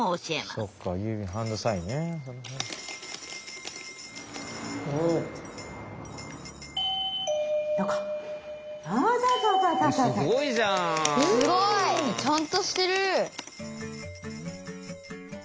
すごい！ちゃんとしてる。